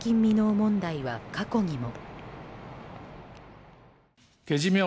問題は過去にも。